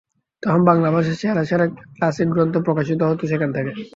তখন বাংলা ভাষার সেরা সেরা ক্লাসিক গ্রন্থ প্রকাশিত হতো সেখান থেকে।